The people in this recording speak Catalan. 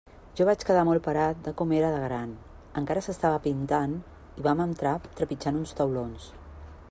Jo vaig quedar molt parat de com era de gran; encara s'estava pintant, i vam entrar trepitjant uns taulons.